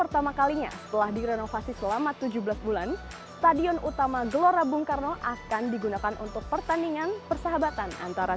tim nasional indonesia dan islandia berkesempatan untuk mencoba berbagai fasilitas baru stadion utama gelora bukarno